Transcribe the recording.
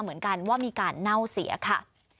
เหมือนกันว่ามีการเน่าเสียค่ะ